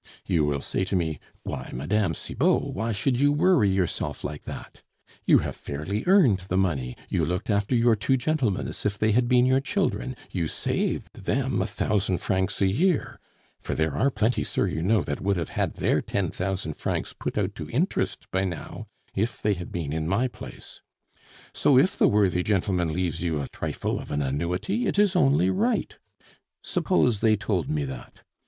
"You will say to me, 'Why, Mme. Cibot, why should you worry yourself like that? You have fairly earned the money; you looked after your two gentlemen as if they had been your children; you saved them a thousand francs a year ' (for there are plenty, sir, you know, that would have had their ten thousand francs put out to interest by now if they had been in my place) 'so if the worthy gentleman leaves you a trifle of an annuity, it is only right.' Suppose they told me that.